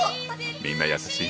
みんな優しい。